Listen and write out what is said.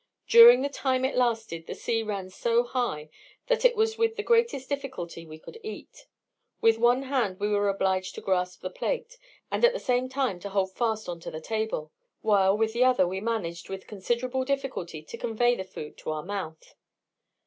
During the time it lasted, the sea ran so high, that it was with the greatest difficulty we could eat. With one hand we were obliged to grasp the plate, and at the same time to hold fast on to the table, while, with the other, we managed, with considerable difficulty, to convey the food to our mouth.